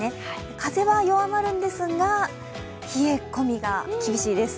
風は弱まるんですが、冷え込みが厳しいです。